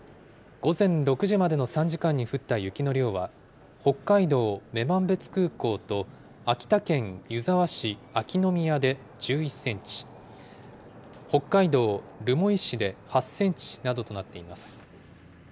午前６時までの３時間に降った雪の量は、北海道女満別空港と秋田県湯沢市秋ノ宮で１１センチ、北海道留萌市で８センチなどとなっています。